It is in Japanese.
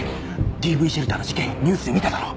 ＤＶシェルターの事件ニュースで見ただろ？